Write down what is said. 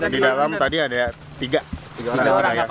di dalam tadi ada tiga orang